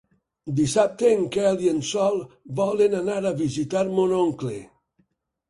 Dissabte en Quel i en Sol volen anar a visitar mon oncle.